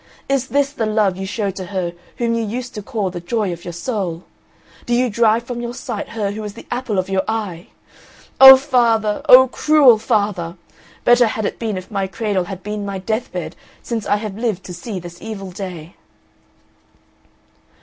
Is this the love you show to her whom you used to call the joy of your soul? Do you drive from your sight her who is the apple of your eye? O Father, O cruel Father! Better had it been if my cradle had been my death bed since I have lived to see this evil day."